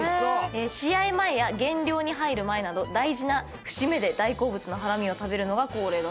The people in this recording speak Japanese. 試合前や減量に入る前など大事な節目で大好物のハラミを食べるのが恒例だそうです。